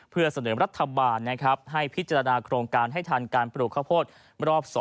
เพื่อเสนอรัฐบาลนะครับให้พิจารณาโครงการให้ทันการปลูกข้าวโพดรอบ๒